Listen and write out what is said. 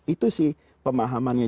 itu sih pemahamannya